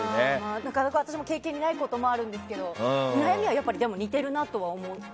なかなか私も経験にないことがあるんですけど悩みは似てるなとは思って。